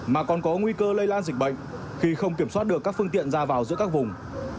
mà còn có nguy cơ lây lan dịch bệnh khi không kiểm soát được các phương tiện ra vào giữa các vùng